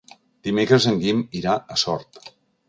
Dimecres en Guim irà a Sort.